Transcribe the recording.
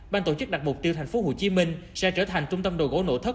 ban tổ chức đặt mục tiêu tp hcm sẽ trở thành trung tâm đồ gỗ nổ thất